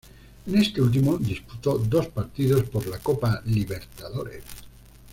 En este último disputó dos partidos por la Copa Libertadores.